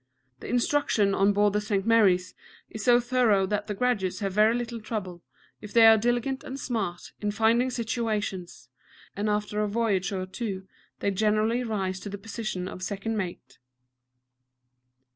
The instruction on board the St. Mary's is so thorough that graduates have very little trouble, if they are diligent and smart, in finding situations, and after a voyage or two they generally rise to the position of second mate.